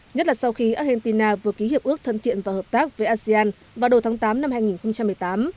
nhất là sau khi argentina vừa ký hiệp ước thân thiện và hợp tác với asean vào đầu tháng tám năm hai nghìn một mươi tám